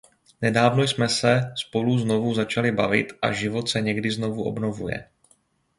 Nedávno jsme se spolu znovu začali bavit a život se někdy znovu obnovuje.